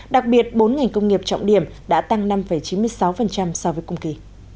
đặc biệt bốn ngành công nghiệp trọng điểm đã tăng năm chín mươi sáu so với cùng kỳ